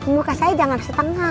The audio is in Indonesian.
muka saya jangan setengah